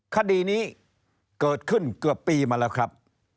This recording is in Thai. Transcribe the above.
คดีนี้เกิดขึ้นเกือบปีมาแล้วครับ